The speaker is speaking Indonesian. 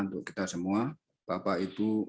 untuk kita semua bapak ibu